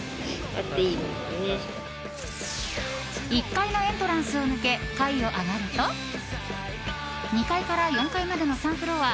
１階のエントランスを抜け階を上がると２階から４階までの３フロア。